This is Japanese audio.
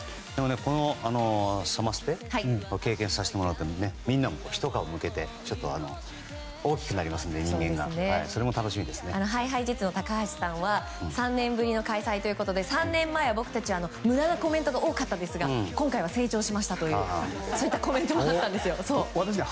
このサマステを経験させてもらってみんなも、ひと皮むけて人間が大きくなりますのでそれも楽しみですね。ＨｉＨｉＪｅｔｓの高橋さんは３年ぶりの開催ということで３年前は僕たち無駄なコメントが多かったですが今回は成長しましたというそういったコメントもありました。